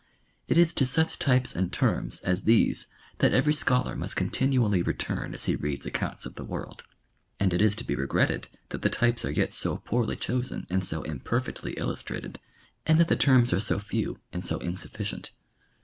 It is to such types and terms as these that every scholar must continually return as he reads accounts of the world, and it is to be regretted that the types are yet so poorly chosen and so imperfectly illustrated, and that the terms are so few and so insufiicient.